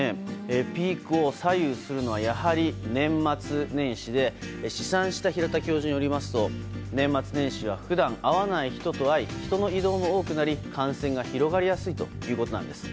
ピークを左右するのはやはり年末年始で試算した平田教授によりますと年末年始は普段会わない人と会い人の移動も多くなり、感染が広がりやすいということです。